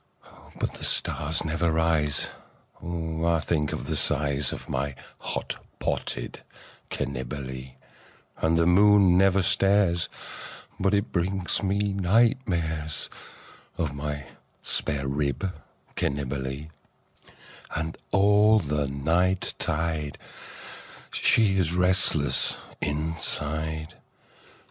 But the stars never rise but I think of the size Of my hot potted Cannibalee, And the moon never stares but it brings me night mares Of my spare rib Cannibalee; And all the night tide she is restless inside.